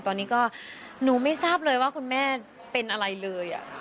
ตอนนี้ก็หนูไม่ทราบเลยว่าคุณแม่เป็นอะไรเลย